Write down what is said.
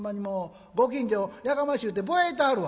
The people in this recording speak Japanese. ご近所やかましゅうてぼやいたはるわ」。